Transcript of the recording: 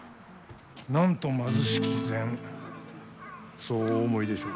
なんと貧しき膳そうお思いでしょう。